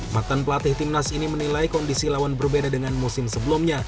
matan pelatih timnas ini menilai kondisi lawan berbeda dengan musim sebelumnya